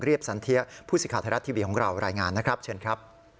เรียบสันเทียย์พุศิฆาธรรมดรทรชนิ